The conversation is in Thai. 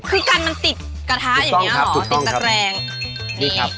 คือกันมันติดกระทะอย่างนี้เหรอติดตะแกรงนี่